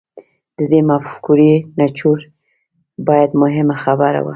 د دې مفکورې نچوړ يوه مهمه خبره وه.